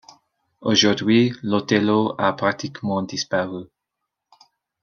Aujourd'hui, l'Othello a pratiquement disparu.